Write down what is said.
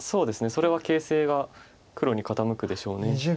それは形勢が黒に傾くでしょうね。